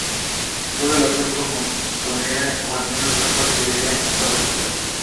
Toda la tropa montonera o al menos gran parte de ella andaba a caballo.